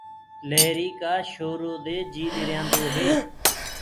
لهرينٚ ڪآ شورو دي جي ڏريآندو هي۔